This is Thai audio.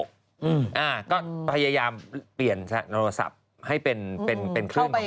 อ้าก็พยายามเปลี่ยนโทรศัพท์ให้เป็นคลื่นของเขา